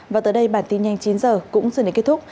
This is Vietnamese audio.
và tới đây bản tin nhanh chín h cũng dừng đến kết thúc